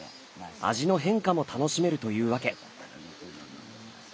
味の変化も楽しめるというわけ。